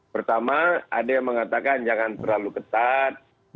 pertama ada yang mengatakan jangan terlalu ketat